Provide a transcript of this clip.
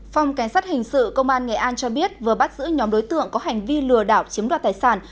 phòng cảnh sát hình sự công an nghệ an cho biết vừa bắt giữ nhóm đối tượng có hành vi lừa đảo chiếm đoạt tài sản